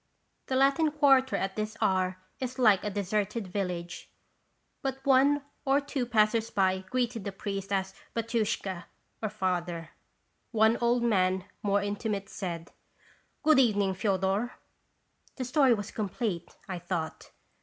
The Latin Quarter at this hour is like a de serted village; but one or two passers by greeted the priest as "B&tiushka" (father). One old man, more intimate, said: " Good evening, Fodor." The story was complete, I thought.